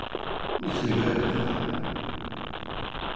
Myslím, že je to fajn.